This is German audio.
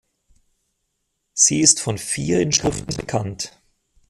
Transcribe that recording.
Sie ist von vier Inschriften bekannt.